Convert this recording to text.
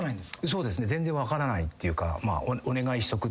そうですね全然分からないっていうかお願いしとく。